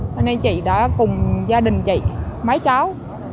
cho nên chị đã cùng gia đình chị mấy cháu